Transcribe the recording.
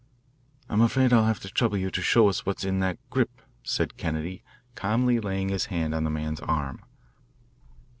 "I'm afraid I'll have to trouble you to show us what's in that grip," said Kennedy, calmly laying his hand on the man's arm.